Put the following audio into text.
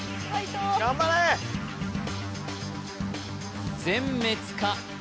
頑張れ！全滅か？